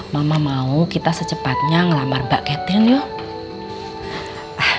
mama mau kita secepatnya ngelamar mbak catin yuk